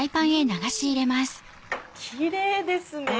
キレイですね！